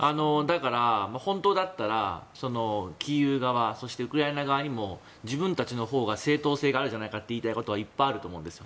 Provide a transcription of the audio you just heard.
だから、本当だったらキーウ側そしてウクライナ側にも自分たちのほうが正当性があるじゃないかって言いたいことはいっぱいあると思うんですよ。